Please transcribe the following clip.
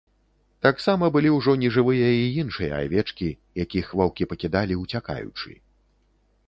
Таксама былі ўжо нежывыя і іншыя авечкі, якіх ваўкі пакідалі, уцякаючы.